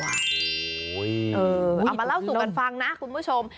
เอามาเล่าสู่กันฟังนะคุณผู้ชม